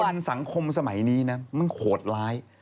คือคนสังคมสมัยนี้มันโขดร้าย